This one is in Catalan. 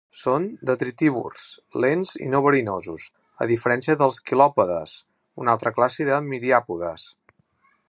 Són detritívors, lents i no verinosos, a diferència dels quilòpodes, una altra classe de miriàpodes.